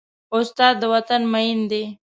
استاد د وطن مین دی.